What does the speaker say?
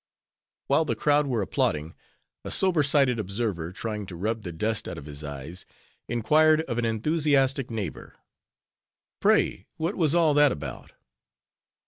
While the crowd were applauding, a sober sided observer, trying to rub the dust out of his eyes, inquired of an enthusiastic neighbor, "Pray, what was all that about?"